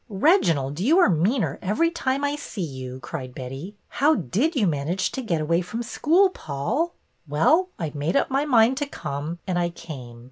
Reginald, you are meaner every time I see you," cried Betty. '' How did you manage to get away from school, Paul?" '' Well, I made up my mind to come, and I came."